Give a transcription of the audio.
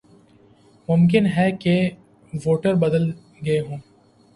ممکن ہے کہ ووٹر بدل گئے ہوں۔